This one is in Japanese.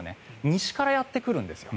西からやってくるんですよ。